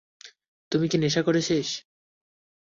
তুই কি নেশা করেছিস?